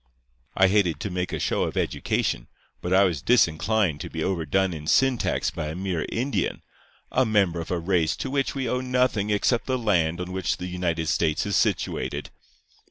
"I hated to make a show of education; but I was disinclined to be overdone in syntax by a mere Indian, a member of a race to which we owe nothing except the land on which the United States is situated.